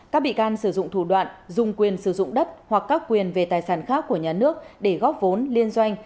các bị can sử dụng thủ đoạn dùng quyền sử dụng đất hoặc các quyền về tài sản khác của nhà nước để góp vốn liên doanh